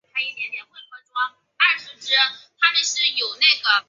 亚洲不少地方的人都喜欢吃血肠。